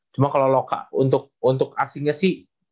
cuma kalau lokal untuk asingnya sih